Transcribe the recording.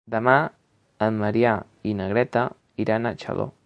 Demà en Maria i na Greta iran a Xaló.